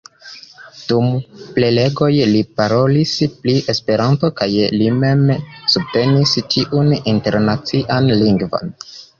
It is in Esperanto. Dum prelegoj, li parolis pri Esperanto kaj li mem subtenis tiun Internacian Lingvon.